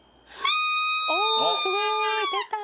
おすごいでた！